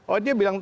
oh dia bilang